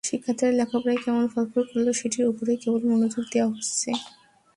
শিক্ষার্থীরা লেখাপড়ায় কেমন ফলাফল করল, সেটির ওপরেই কেবল মনোযোগ দেওয়া হচ্ছে।